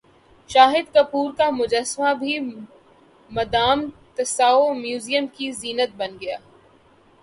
شاہد کپور کا مجسمہ بھی مادام تساو میوزم کی زینت بن گیا